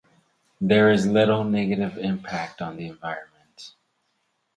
There is little negative impact on the environment.